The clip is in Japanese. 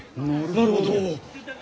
なるほど！